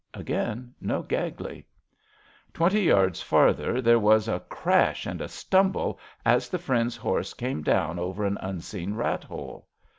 Again no Gagley. Twenty yards farther there was a crash and a stumble as the friend's horse came down over an unseen rat hole.